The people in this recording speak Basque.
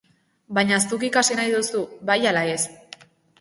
Baina zuk ikasi nahi duzu, bai ala ez?